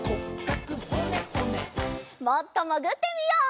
もっともぐってみよう。